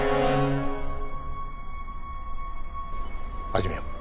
始めよう。